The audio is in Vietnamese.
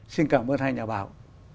xin cảm ơn hai nhà bảo